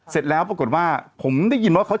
เสร็จแล้วปรากฏว่าผมได้ยินว่าเขา